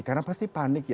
karena pasti panik ya